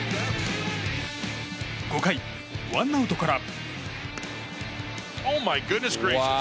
５回、ワンアウトから。